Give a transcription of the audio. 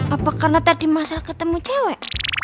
apakah tadi masal ketemu cewek